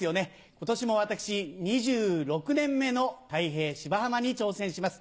今年も私２６年目のたい平『芝浜』に挑戦します。